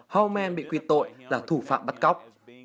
hauptmann bị quyết tội là thủ phạm bắt cóc